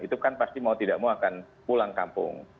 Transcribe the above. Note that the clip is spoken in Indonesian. itu kan pasti mau tidak mau akan pulang kampung